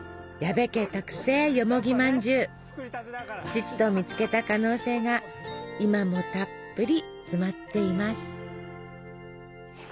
父と見つけた可能性が今もたっぷり詰まっています。